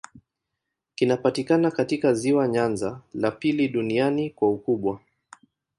Kinapatikana katika ziwa Nyanza, la pili duniani kwa ukubwa.